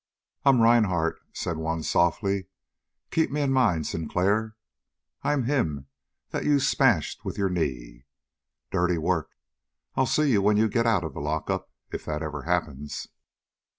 "I'm Rhinehart," said one softly. "Keep me in mind, Sinclair. I'm him that you smashed with your knee. Dirty work! I'll see you when you get out of the lockup if that ever happens!"